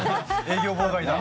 営業妨害だ。